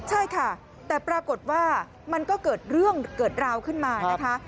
ใช่ค่ะแต่ปรากฏว่ามันก็เกิดเรื่องเกิดราวขึ้นมานะคะ